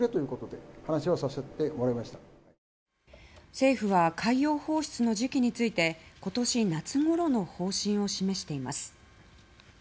政府は海洋放出の時期について今年夏ごろの方針を示しています。